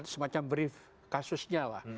semacam brief kasusnya lah